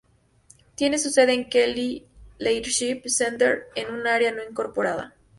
Tiene su sede en el Kelly Leadership Center en una área no incorporada.